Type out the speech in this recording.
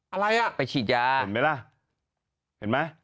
อะไรอ่ะไปฉีดยาเห็นมั้ยล่ะเห็นมั้ย